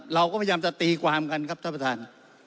เราก็พยายามจะตีความกันครับท่านประธาน